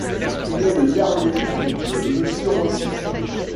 Il est le dernier film de Monsieur Rossi.